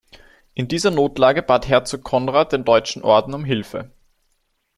In dieser Notlage bat Herzog Konrad den Deutschen Orden um Hilfe.